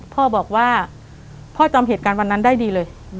พ่อบอกว่าพ่อจำเหตุการณ์วันนั้นได้ดีเลย